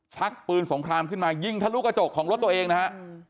ชักปืนสงครามขึ้นมายิงทะลุกระจกของรถตัวเองนะฮะ